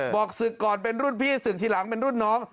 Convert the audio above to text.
บอกศึกก่อนเป็นรุ่นพี่ศึกทีหลังเป็นรุ่นน้อง